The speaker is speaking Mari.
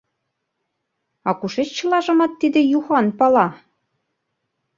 — А кушеч чылажымат тиде Юхан пала?